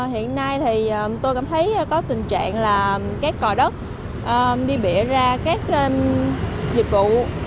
hiện nay tôi cảm thấy có tình trạng là các cỏ đất đi bịa ra các dịch vụ